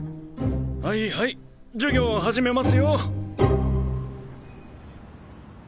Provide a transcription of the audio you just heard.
はいはい授業はじめますよォ。